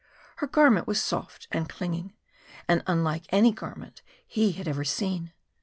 Her garment was soft and clinging, and unlike any garment he had ever seen.